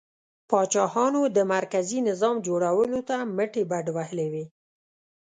پاچاهانو د مرکزي نظام جوړولو ته مټې بډ وهلې وې.